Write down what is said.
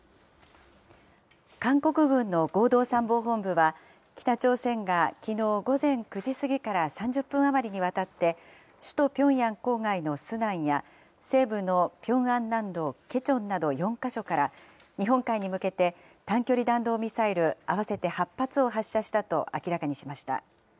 韓国軍の合同参謀本部は、北朝鮮がきのう午前９時過ぎから３０分余りにわたって、首都ピョンヤン郊外のスナンや西部のピョンアン南道ケチョンなど４か所から、日本海に向けて短距離弾道ミサイル合わせて８発を発射したと明らかにしました。